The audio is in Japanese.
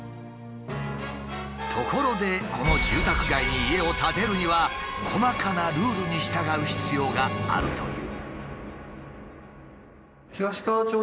ところでこの住宅街に家を建てるには細かなルールに従う必要があるという。